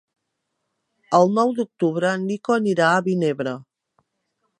El nou d'octubre en Nico anirà a Vinebre.